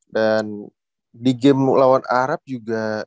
dan di game lawan arab juga